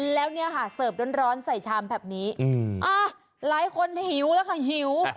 แล้วเนี่ยค่ะเสิร์ฟร้อนใส่ชามแบบนี้หลายคนหิวแล้วค่ะหิว